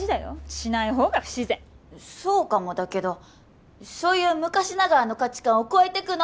シない方が不自然そうかもだけどそういう昔ながらの価値観を超えてくの！